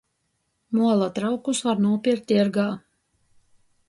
Muola traukus var nūpierkt tiergā.